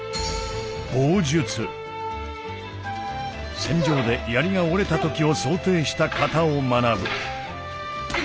戦場で槍が折れた時を想定した型を学ぶ。